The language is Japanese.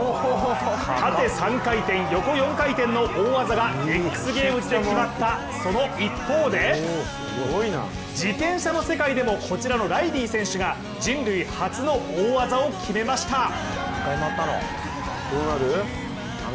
縦３回転、横４回転の大技がＸＧＡＭＥＳで決まった、その一方で自転車の世界でもこちらのライリー選手が人類初の大技を決めました。